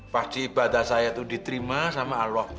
pasti ibadah saya itu diterima sama allah